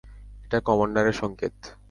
এটা কমান্ডারের সংকেত!